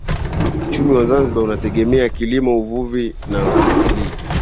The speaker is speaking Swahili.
Uchumi wa Zanzibar unategemea kilimo uvuvi na utalii